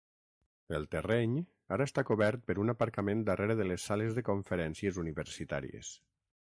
El terreny ara està cobert per un aparcament darrere de les sales de conferències universitàries.